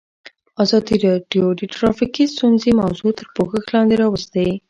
ازادي راډیو د ټرافیکي ستونزې موضوع تر پوښښ لاندې راوستې.